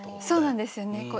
そうなんですよね。